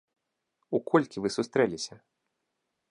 У колькі вы сустрэліся?